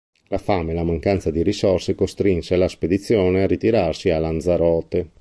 La fame e la mancanza di risorse costrinse la spedizione a ritirarsi a Lanzarote.